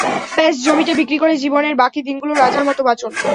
ব্যস জমিটা বিক্রি করে জীবনের বাকি দিনগুলো রাজার মতো বাঁচুন।